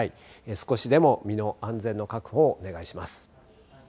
少しでも身の安全の確保をお願いします。